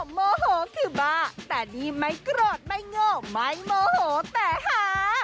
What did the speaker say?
โมโหคือบ้าแต่นี่ไม่โกรธไม่โง่ไม่โมโหแต่หา